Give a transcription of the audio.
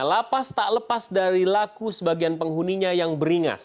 lapas tak lepas dari laku sebagian penghuninya yang beringas